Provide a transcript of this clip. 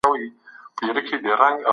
چې افغان زعفران بې سیاله دي.